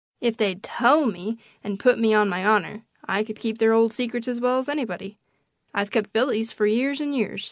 If they'd TELL me, and put me on my honor, I could keep their old secrets as well as anybody. I've kept Billy's for years and years.